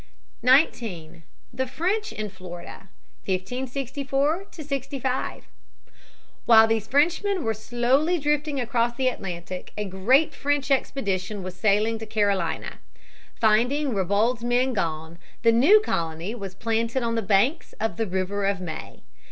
[Sidenote: French colonists in Florida.] 19. The French in Florida, 1564 65. While these Frenchmen were slowly drifting across the Atlantic, a great French expedition was sailing to Carolina. Finding Ribault's men gone, the new colony was planted on the banks of the River of May.